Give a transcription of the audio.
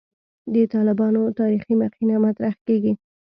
د «طالبانو تاریخي مخینه» مطرح کېږي.